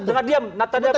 kita jangan diam